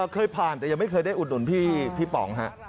เคยผ่านแต่ยังไม่เคยได้อุดหนุนพี่ป๋องฮะ